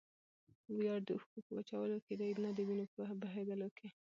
ویاړ د اوښکو په وچولو کښي دئ؛ نه دوینو په بهېودلو کښي.